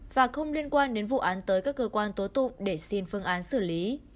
và không liên quan đến vụ án tới các cơ quan tố tụng để xin phương án xử lý